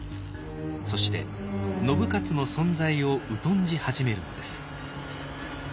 そして信雄の存在を疎んじ始めるのです。